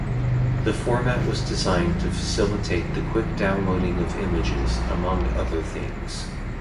The format was designed to facilitate the quick downloading of images, among other things.